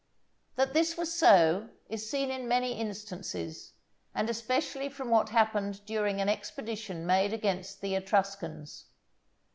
That this was so, is seen in many instances, and especially from what happened during an expedition made against the Etruscans.